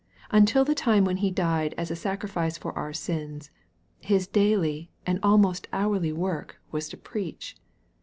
Until the time when He died as a sacrifice for our sins, His daily, and almost hourly work was to preach.